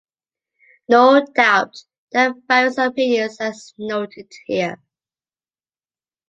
No doubt, there are various opinions, as noted here.